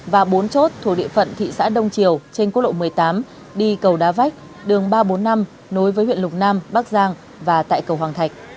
và bốn chốt thuộc địa phận thị xã đông triều trên quốc lộ một mươi tám đi cầu đá vách đường ba trăm bốn mươi năm nối với huyện lục nam bắc giang và tại cầu hoàng thạch